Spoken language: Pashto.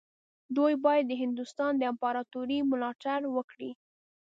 دوی باید د هندوستان د امپراطورۍ ملاتړ وکړي.